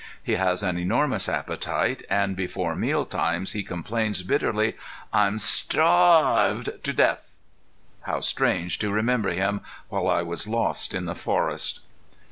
He has an enormous appetite and before meal times he complains bitterly: "I'm starv ved to death!" How strange to remember him while I was lost in the forest!